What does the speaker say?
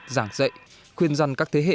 giảng dạy khuyên dân các thế hệ